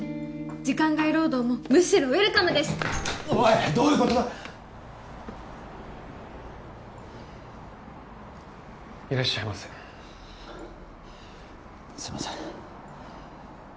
時間外労働もむしろウエルカムですおいどういうことだいらっしゃいませすいません